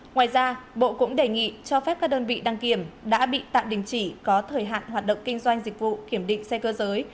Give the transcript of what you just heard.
ngoài ra bộ cũng đề nghị cho phép các đơn vị đăng kiểm đã bị tạm đình chỉ có thời hạn hoạt động kinh doanh dịch vụ kiểm định xe cơ giới